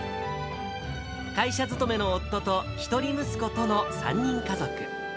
会社勤めの夫と１人息子との３人家族。